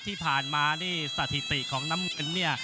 ที่ผ่านมานี่สถิติของน้ำเงินเนี่ย